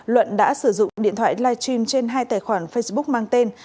luận đã sử dụng điện thoại live stream trên hai tài khoản facebook mang tên